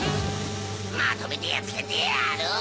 まとめてやっつけてやる！